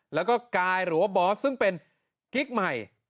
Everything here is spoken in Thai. แล้วก็กายหรือว่าบอสซึ่งเป็นกิ๊กใหม่